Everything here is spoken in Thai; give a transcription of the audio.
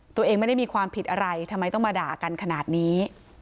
ตัวเองไม่ได้มีความผิดอะไรทำไมต้องมาด่ากันขนาดนี้